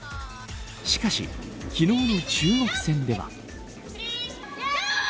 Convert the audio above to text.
しかし、昨日の中国戦では。